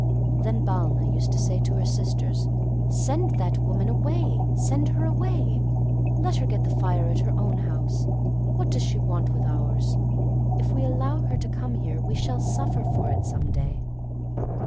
Then Balna used to say to her sisters, "Send that woman away; send her away. Let her get the fire at her own house. What does she want with ours? If we allow her to come here, we shall suffer for it some day."